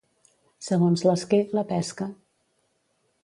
Segons l'esquer, la pesca.